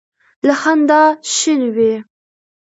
له خندا شین وي.